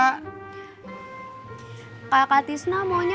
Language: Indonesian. bukan kakak tisna mau kerja